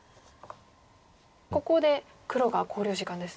ここで黒が考慮時間です。